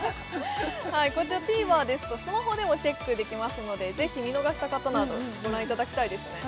ＴＶｅｒですとスマホでもチェックできますのでぜひ見逃した方などご覧いただきたいですね